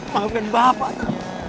maafkan bapak pak